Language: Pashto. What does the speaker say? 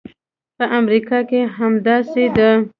په امریکا کې هم همداسې ده.